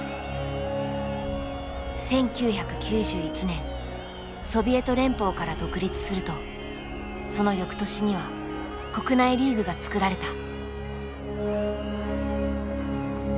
１９９１年ソビエト連邦から独立するとその翌年には国内リーグが作られた。